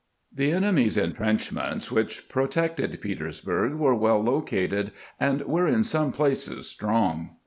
The enemy's intrenchments which protected Peters burg were well located, and were in some places strong.